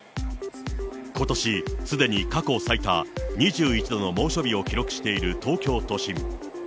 ことし、すでに過去最多２１度の猛暑日を記録している東京都心。